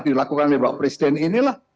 dilakukan oleh bapak presiden inilah